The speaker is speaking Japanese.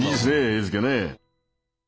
絵付けね。